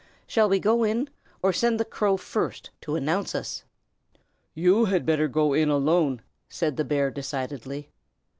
"Shall we go in, or send the crow first, to announce us?" "You had better go in alone," said the bear, decidedly.